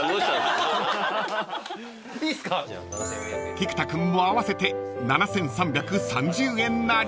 ［菊田君も合わせて７，３３０円なり］